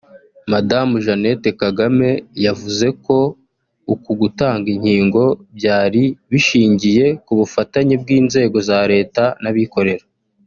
Madamu Jeannette Kagame yavuze ko uku gutanga inkingo byari bishingiye ku bufatanye bw’inzego za leta n’abikorera